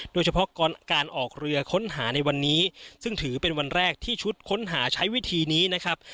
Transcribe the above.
โดยเฉพาะการออกเรือค้นหาในวันนี้ซึ่งถือเป็นวันแรกที่ชุดค้นหาใช้วิธีนี้นะครับ